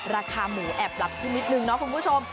ราคาหมูแอบหลับขึ้นนิดนึงเนาะคุณผู้ชม